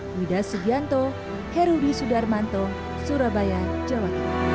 widah sugianto herudi sudarmanto surabaya jawa